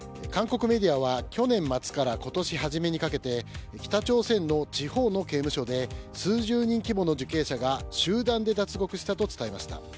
韓国メディアは去年末から今年初めにかけて北朝鮮の地方の刑務所で数十人規模の受刑者が集団で脱獄したと伝えました。